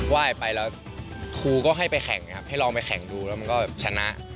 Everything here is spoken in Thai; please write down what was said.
ว่ายไปแล้วครูก็ให้ไปแข่งครับให้ลองไปแข่งดูแล้วมันก็ชนะ